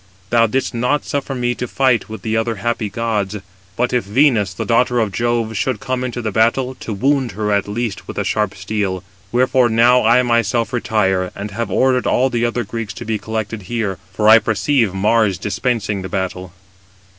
Thou didst not suffer me to fight with the other happy gods; but if Venus, the daughter of Jove, should come into the battle, to wound her at least with the sharp steel. Wherefore now I myself retire, and have ordered all the other Greeks to be collected here: for I perceive Mars dispensing the battle."